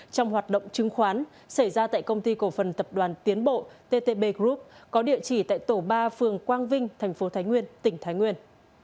trong hoạt động chứng khoán xảy ra tại công ty cổ phần tập đoàn tiến bộ ttp group có địa chỉ tại tổ ba phường quang vinh tp thái nguyên tp thái nguyên